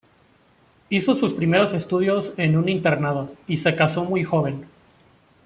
Hizo sus primeros estudios en un internado; y se casó muy joven.